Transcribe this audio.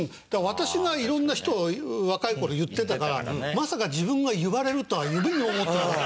私が色んな人を若い頃言ってたからまさか自分が言われるとは夢にも思ってなかった。